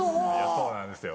そうなんですよ。